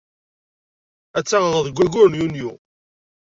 Ad tt-aɣeɣ deg wayyur n Yunyu.